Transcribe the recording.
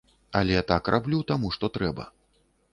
Але так раблю, таму што трэба.